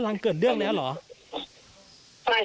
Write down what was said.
หลังเกิดเรื่องแล้วเหรอ